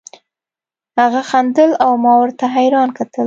هغه خندل او ما ورته حيران کتل.